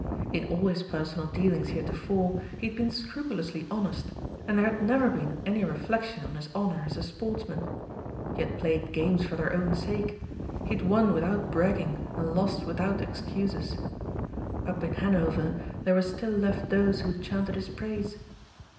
In all his personal dealings heretofore, he had been scrupulously honest, and there had never been any reflection on his honor as a sportsman. He had played games for their own sake. He had won without bragging and lost with excuses. Up in Hanover there were still left those who chanted his praise.